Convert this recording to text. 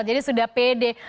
jadi sudah pede